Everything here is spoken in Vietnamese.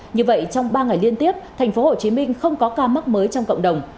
như vậy trong ba ngày liên tiếp tp hcm không có ca mắc mới trong cộng đồng